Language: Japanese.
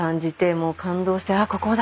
もう感動してああここだ。